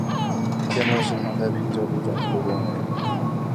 田牟是唐代平州卢龙人。